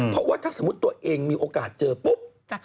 เพราะว่าถ้าสมมุติตัวเองมีโอกาสเจอปุ๊บ